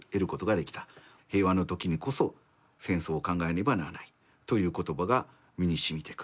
平和のときにこそ戦争を考えねばならないという言葉が身に沁みてくる」。